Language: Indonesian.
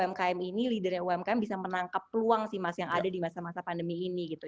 jadi sebenarnya umkm ini leadernya umkm bisa menangkap peluang sih mas yang ada di masa masa pandemi ini gitu